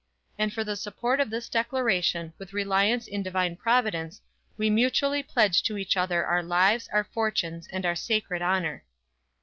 "And for the support of this Declaration, with reliance in Divine Providence, we mutually pledge to each other our lives, our fortunes and our sacred honor!"